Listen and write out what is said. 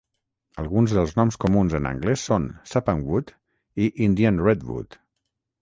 Alguns dels noms comuns en anglès són sappanwood i Indian redwood.